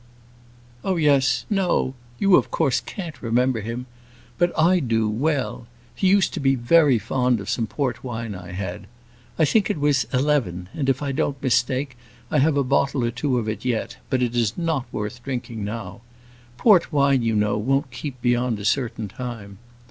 "Oh, yes; no, you of course, can't remember him; but I do, well: he used to be very fond of some port wine I had. I think it was '11;' and if I don't mistake, I have a bottle or two of it yet; but it is not worth drinking now. Port wine, you know, won't keep beyond a certain time.